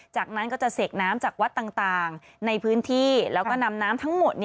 จากนั้นก็จะเสกน้ำจากวัดต่างในพื้นที่แล้วก็นำน้ำทั้งหมด